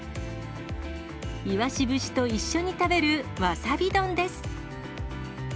イワシ節と一緒に食べるわさび丼です。